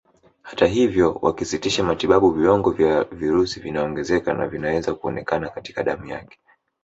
Hata hivyo wakisitisha matibabu viwango vya virusi vinaongezeka na vinaweza kuonekana katika damu yake